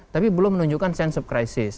tapi belum menunjukkan sense of crisis